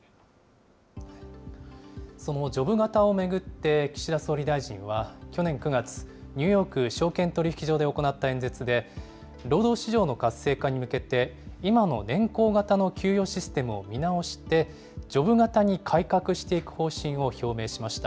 そのジョブ型を巡って、岸田総理大臣は去年９月、ニューヨーク証券取引所で行った演説で、労働市場の活性化に向けて、今の年功型の給与システムを見直して、ジョブ型に改革していく方針を表明しました。